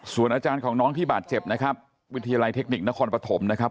ส่วนอาจารย์ของน้องที่บาดเจ็บนะครับวิทยาลัยเทคนิคนครปฐมนะครับ